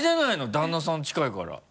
旦那さん近いから。